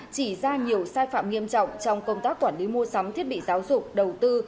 chỉ ra nhiều sai phạm nghiêm trọng trong công tác quản lý mua sắm thiết bị giáo dục đầu tư